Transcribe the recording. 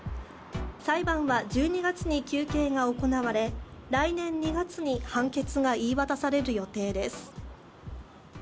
裁判は１２月に求刑が行われ来年２月に判決が言い渡される予定です。